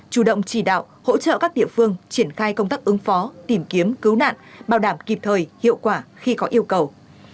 chủ động chỉ đạo hỗ trợ các địa phương triển khai công tác ứng phó tìm kiếm cứu nạn bảo đảm kịp thời hiệu quả khi có yêu cầu